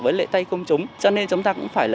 với lệ tay công chúng cho nên chúng ta cũng phải là